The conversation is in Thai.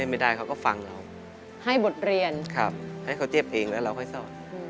ไม่ได้เขาก็ฟังเราให้บทเรียนให้เขาเตรียมเองแล้วเราค่อยสอน